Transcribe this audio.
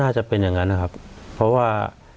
จะเป็นอย่างนั้นนะครับเพราะว่า